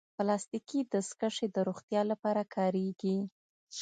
پلاستيکي دستکشې د روغتیا لپاره کارېږي.